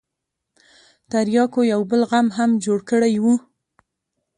ترياکو يو بل غم هم جوړ کړى و.